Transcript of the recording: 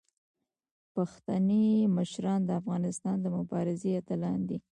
پښتني مشران د افغانستان د مبارزې اتلان دي.